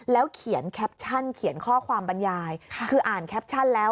เขียนแคปชั่นเขียนข้อความบรรยายคืออ่านแคปชั่นแล้ว